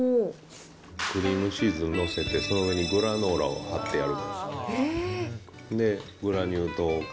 クリームチーズ載せて、その上にグラノーラをかけてやる。